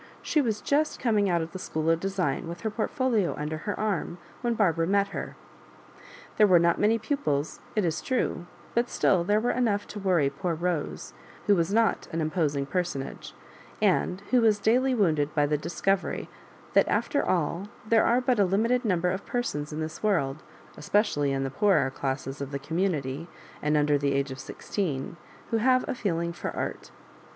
She was just coming out of the School of Design, with her portfolio under her arm,, when Barbara met her. There were not many pupils, it is true, but still there were enough to worry poor Bose^ who was not an imposing personage, and who was daily wounded by the discovery, that after all there are but a limited number of persons in this world, ospecially in the poorer classes of the community, and under the age of sixteen, who have a feeling for art.